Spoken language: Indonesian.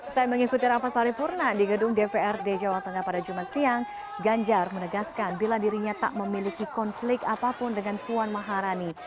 saya mengikuti rapat paripurna di gedung dprd jawa tengah pada jumat siang ganjar menegaskan bila dirinya tak memiliki konflik apapun dengan puan maharani